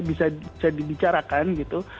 bisa dibicarakan gitu